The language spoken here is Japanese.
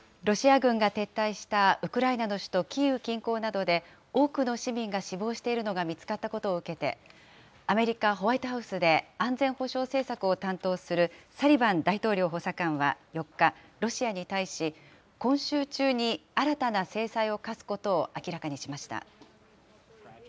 ロシア軍が撤退したウクライナの首都キーウ近郊などで、多くの市民が死亡しているのが見つかったことを受けて、アメリカ・ホワイトハウスで安全保障政策を担当するサリバン大統領補佐官は４日、ロシアに対し今週中に新たな制裁を科すことを明らかにしました。